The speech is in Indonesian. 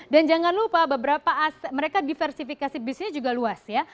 dan jangan lupa mereka diversifikasi bisnis juga luas ya